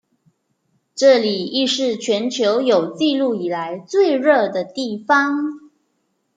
这里亦是全球有纪录以来最热的地方。